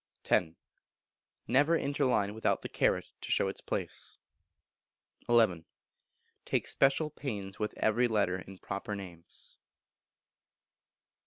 x. Never interline without the caret (^) to show its place. xi. Take special pains with every letter in proper names.